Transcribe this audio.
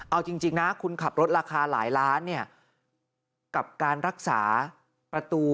เอาจริงนะคุณขับรถราคาหลายล้านเนี่ยกับการรักษาประตู